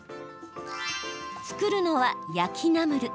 作るのは焼きナムル。